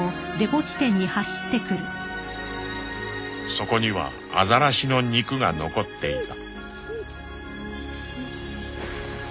［そこにはアザラシの肉が残っていた］